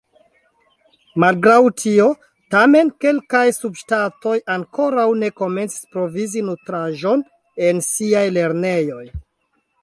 Malgraŭ tio, tamen, kelkaj subŝtatoj ankoraŭ ne komencis provizi nutraĵon en siaj lernejoj.